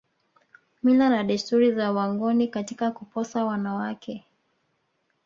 Mila na desturi za wangoni katika kuposa wanawake